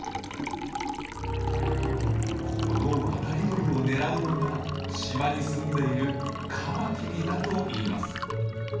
この渡り鳥を狙うのが島にすんでいるカマキリだといいます。